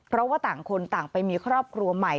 เพราะว่าต่างคนต่างไปมีครอบครัวใหม่